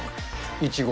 いちご。